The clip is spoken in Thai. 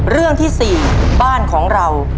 เรื่องที่๔บ้านของเรา